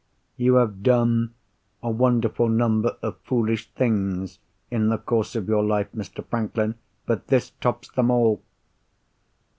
'You have done a wonderful number of foolish things in the course of your life, Mr. Franklin, but this tops them all!